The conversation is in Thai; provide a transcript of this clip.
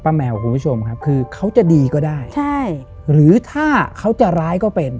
แมวคุณผู้ชมครับคือเขาจะดีก็ได้ใช่หรือถ้าเขาจะร้ายก็เป็น